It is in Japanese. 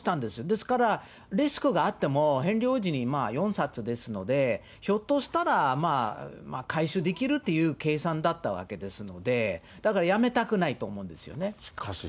ですから、リスクがあってもヘンリー王子に４冊ですので、ひょっとしたら、回収できるという計算だったわけですので、だからやめたくないと思うんですよね。